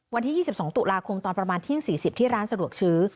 วันที่๒๒ตุลาคมตอนประมาณเที่ยง๔๐ที่ร้านสะดวกซื้อ